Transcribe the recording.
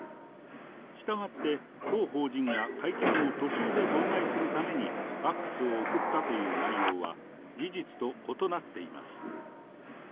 したがって、当法人が会見を途中で妨害するためにファックスを送ったという内容は、事実と異なっています。